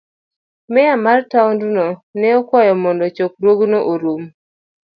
Meya mar taondno ne okwayo mondo chokruogno orum.